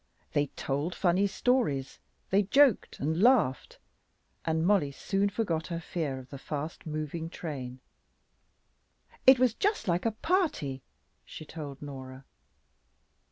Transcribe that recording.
They told funny stories, they joked and laughed, and Mollie soon forgot her fear of the fast moving train. "It was just like a party," she told Norah.